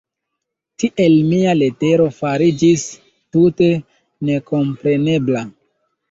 Tiel mia letero fariĝis tute nekomprenebla.